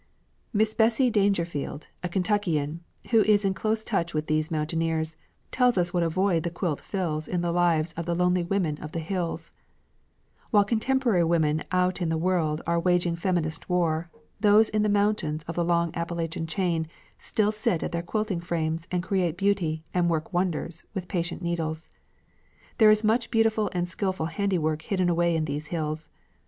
Miss Bessie Daingerfield, a Kentuckian, who is in close touch with these mountaineers, tells us what a void the quilt fills in the lives of the lonely women of the hills: "While contemporary women out in the world are waging feminist war, those in the mountains of the long Appalachian chain still sit at their quilting frames and create beauty and work wonders with patient needles. There is much beautiful and skilful handiwork hidden away in these hills.